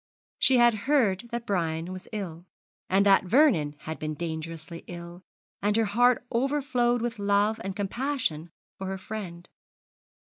She had heard that Brian was ill, and that Vernon had been dangerously ill; and her heart overflowed with love and compassion for her friend.